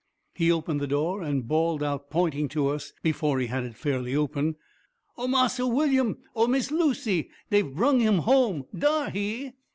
He opened the door and bawled out, pointing to us, before he had it fairly open: "O Marse WILLyum! O Miss LUCY! Dey've brung him home! DAR he!"